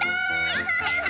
アハハハ！